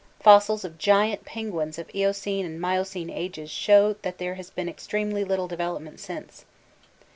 Fossils of giant penguins of Eocene and Miocene ages show that there has been extremely little development since.